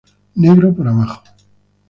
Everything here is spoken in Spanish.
Negro por abajo.